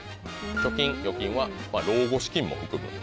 貯金・預金は老後資金も含む。